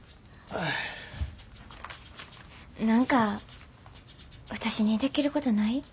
何か私にできることない？